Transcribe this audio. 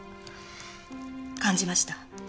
感じました。